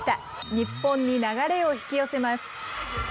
日本に流れを引き寄せます。